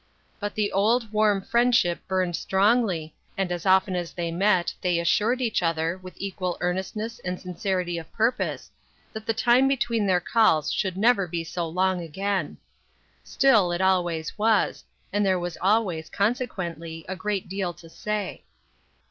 But the old, warm friendship burned strongly, and as often as they met they assured each other, with equal earnestness and sincerity of purpose, that the time between their calls should never be so 40 UNWELCOME RESPONSIBILITIES. long again. Still it always was, and there was always, consequently, a great deal to say.